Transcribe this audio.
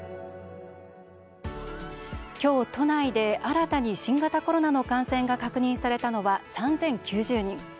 今日、都内で新たに新型コロナの感染が確認されたのは、３０９０人。